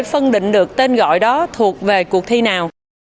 phân định được tên gọi đó thuộc về cuộc thi nào